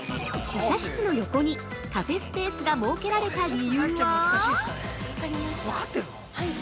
◆試写室の横にカフェスペースが設けられた理由は？